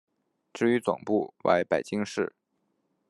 至于总部为北京市。